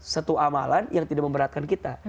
satu amalan yang tidak memberatkan kita